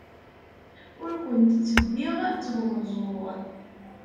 Ur kent-ttebbiɣ seg umeẓẓuɣ.